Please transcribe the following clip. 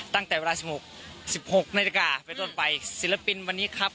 ตั้งแต่เวลาสิบหกสิบหกนาฬิกาไปต้นไปศิลปินวันนี้ครับ